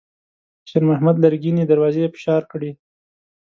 شېرمحمد لرګينې دروازې فشار کړې.